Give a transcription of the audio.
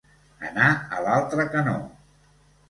Anar a l'altre canó.